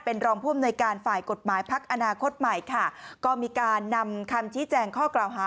เป็นรองพ่วงในการฝ่ายกฎหมายภักดิ์อนาคตใหม่ค่ะ